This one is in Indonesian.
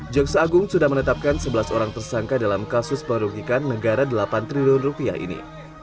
jaksa agung sudah menetapkan sebelas orang tersangka dalam kasus baru ikan negara delapan triliun rupiah ini